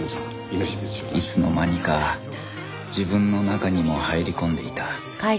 いつの間にか自分の中にも入り込んでいた